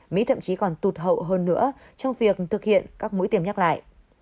mỹ thậm chí còn tụt hậu hơn nữa trong việc thực hiện các mũi tiêm nhắc lại